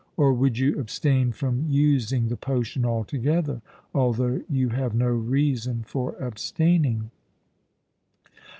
Or would you abstain from using the potion altogether, although you have no reason for abstaining?'